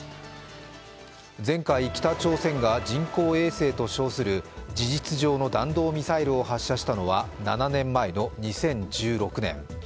前回、北朝鮮が人工衛星と称する事実上の弾道ミサイルを発射したのは７年前の２００６年。